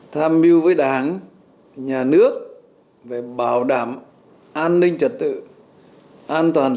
tham mưu với đảng nhà nước về bảo đảm an ninh trật tự an toàn